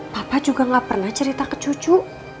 papa juga gak pernah cerita ke cucu